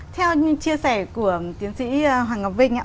theo chia sẻ của tiến sĩ hoàng ngọc vinh ạ